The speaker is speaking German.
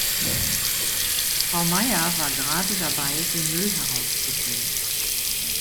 Frau Meier war gerade dabei, den Müll herauszubringen.